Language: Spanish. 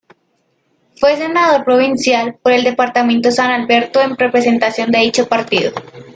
Fue senador provincial por el departamento San Alberto en representación de dicho partido.